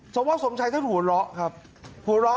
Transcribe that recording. สวทว์สมชัยก็หูล้อครับหูล้อ